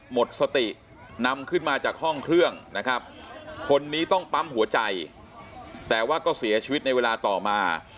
หมดสตินำขึ้นมาจากห้องเครื่องนะครับคนนี้ต้องปั๊มหัวใจแต่ว่าก็เสียชีวิตในเวลาต่อมา